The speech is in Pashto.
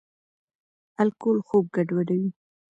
الکول خوب ګډوډوي.